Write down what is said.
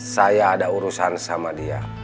saya ada urusan sama dia